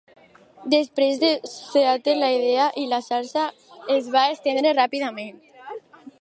Després de Seattle la idea i la xarxa es va estendre ràpidament.